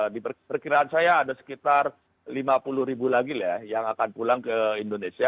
di perkiraan saya ada sekitar lima puluh ribu lagi yang akan pulang ke indonesia